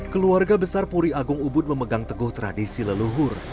keluarga besar puri agung ubud memegang teguh tradisi leluhur